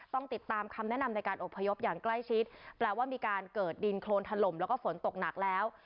ต้องติดตามคำแนะนำในการอบพยพอย่างใกล้ชิดแปลว่ามีการเกิดดินโครนถล่มแล้วก็ฝนตกหนักแล้ว